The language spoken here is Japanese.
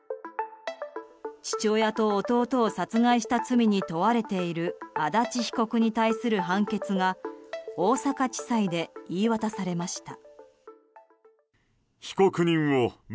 父親と弟を殺害した罪に問われている足立被告に対する判決が大阪地裁で言い渡されました。